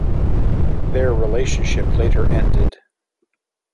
Their relationship later ended.